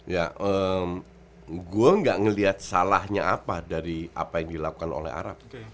ya gue gak ngeliat salahnya apa dari apa yang dilakukan oleh arab